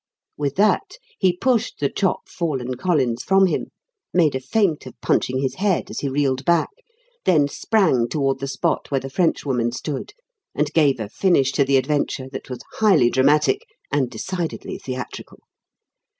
With that he pushed the chop fallen Collins from him, made a feint of punching his head as he reeled back, then sprang toward the spot where the Frenchwoman stood, and gave a finish to the adventure that was highly dramatic and decidedly theatrical.